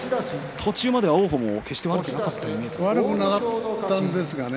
途中までは王鵬も決して悪くなかったですよね。